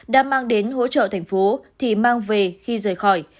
đã mang đến hỗ trợ thành phố thì mang về khi rời khỏi